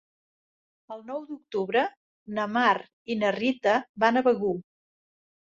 El nou d'octubre na Mar i na Rita van a Begur.